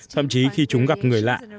thậm chí khi chúng gặp người lạ